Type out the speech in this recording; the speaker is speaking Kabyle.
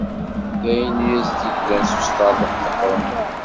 D ayen i as-d-yeglan s usṭerḍeq meqqren.